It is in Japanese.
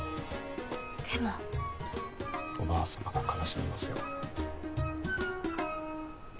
でもおばあ様が悲しみますよ